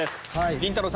りんたろー。